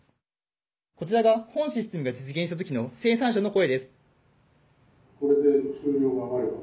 こちらが本システムが実現した時の生産者の声です。